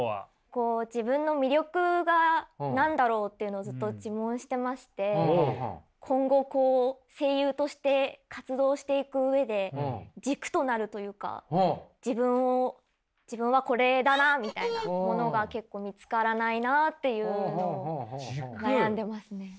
こう自分の魅力が何だろうっていうのをずっと自問してまして今後こう声優として活動していく上で軸となるというか自分はこれだなみたいなものが結構見つからないなっていうのを悩んでますね。